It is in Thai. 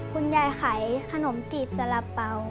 คุณยายขายขนมจีบสาระเป๋า